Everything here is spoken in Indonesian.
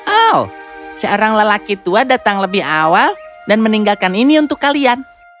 oh seorang lelaki tua datang lebih awal dan meninggalkan ini untuk kalian